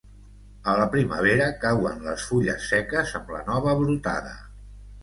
A la primavera cauen les fulles seques amb la nova brotada.